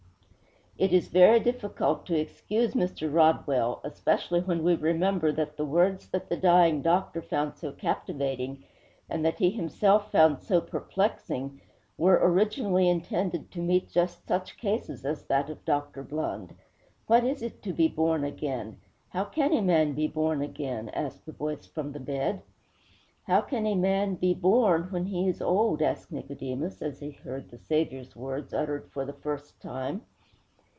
II It is very difficult to excuse Mr. Rodwell, especially when we remember that the words that the dying doctor found so captivating, and that he himself found so perplexing, were originally intended to meet just such cases as that of Dr. Blund. 'What is it to be born again? How can a man be born again?' asked the voice from the bed. 'How can a man be born when he is old?' asked Nicodemus, as he heard the Saviour's words uttered for the first time.